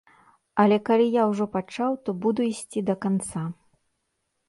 Але калі я ўжо пачаў, то буду ісці да канца.